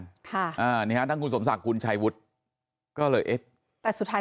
ค่ะอ่านี่ฮะทั้งคุณสมศักดิ์คุณชัยวุฒิก็เลยเอ๊ะแต่สุดท้าย